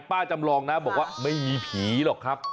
จำลองนะบอกว่าไม่มีผีหรอกครับ